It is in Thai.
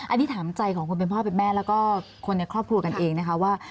อันนี้ถามใจของคนเป็นพ่อเป็นแม่แล้วก็คนในครอบครัวกันเองนะคะว่า